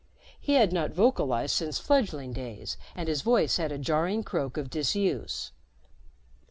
He had not vocalized since fledgling days and his voice had a jarring croak of disuse.